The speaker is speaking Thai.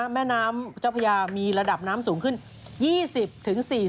แม่น้ำเจ้าพระยามีระดับน้ำสูงขึ้น๒๐๔๐